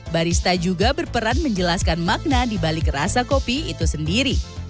barista juga berperan menjelaskan makna dibalik rasa kopi itu sendiri